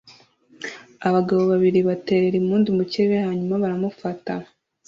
Abagabo babiri baterera impundu mu kirere hanyuma baramufata